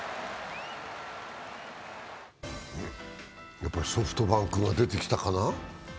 やっぱりソフトバンクが出てきたかな。